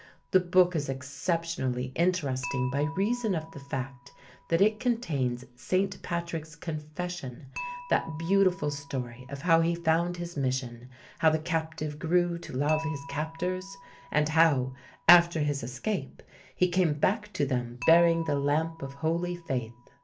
The book is exceptionally interesting by reason of the fact that it contains St. Patrick's Confession, that beautiful story of how he found his mission, how the captive grew to love his captors, and how, after his escape, he came back to them bearing the lamp of Holy Faith.